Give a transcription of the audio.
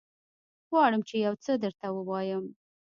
غواړم چې يوڅه درته ووايم.